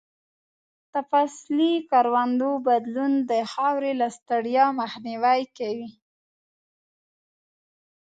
د فصلي کروندو بدلون د خاورې له ستړیا مخنیوی کوي.